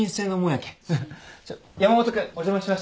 山本君お邪魔しました。